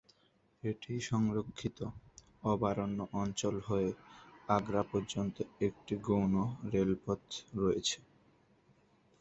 এটি সংরক্ষিত অভয়ারণ্য অঞ্চল হয়ে আগ্রা পর্যন্ত একটি গৌণ রেলপথ রয়েছে।